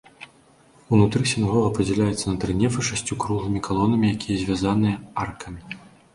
Унутры сінагога падзяляецца на тры нефы шасцю круглымі калонамі, якія звязаныя аркамі.